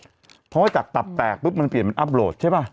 เพราะว่าจากตับแตกปุ๊บมันเปลี่ยนเป็นอัพโหลดใช่ป่ะ